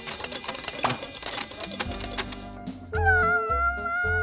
ももも！